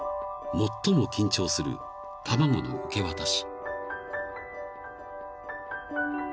［最も緊張する卵の受け渡し］